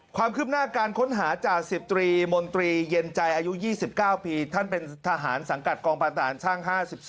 ความคืบหน้าการค้นหาจ่าสิบตรีมนตรีเย็นใจอายุ๒๙ปีท่านเป็นทหารสังกัดกองพันธารช่าง๕๒